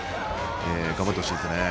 頑張ってほしいですね。